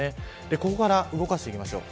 ここから動かしていきましょう。